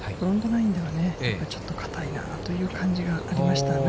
ではちょっと硬いなという感じがありました。